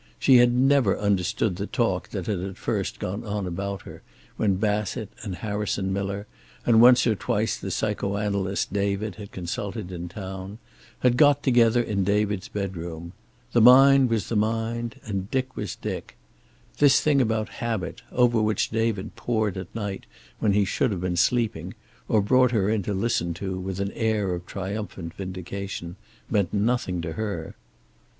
She had never understood the talk that at first had gone on about her, when Bassett and Harrison Miller, and once or twice the psycho analyst David had consulted in town, had got together in David's bedroom. The mind was the mind, and Dick was Dick. This thing about habit, over which David pored at night when he should have been sleeping, or brought her in to listen to, with an air of triumphant vindication, meant nothing to her.